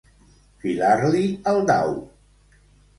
Filar-li el dau.